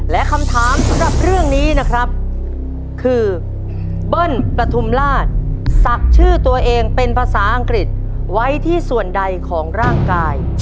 และคำถามสำหรับเรื่องนี้นะครับคือเบิ้ลประทุมราชศักดิ์ชื่อตัวเองเป็นภาษาอังกฤษไว้ที่ส่วนใดของร่างกาย